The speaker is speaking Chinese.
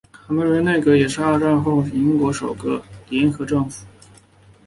卡梅伦内阁也是二战后英国首个联合政府。